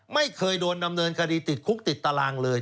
ไม่เคยโดนดำเนินคดีติดคุกติดตารางเลย